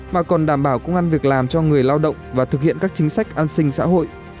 mà còn đảm bảo công an việc làm cho người lao động và thực hiện các chính sách an sinh xã hội